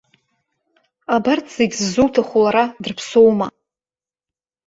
Абарҭ зегь ззуҭаху лара дрыԥсоума?